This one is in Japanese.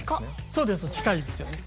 そうです近いですよね。